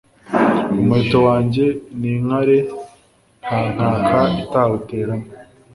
Umuheto wanjye ni inkare nta nkaka itawuteramo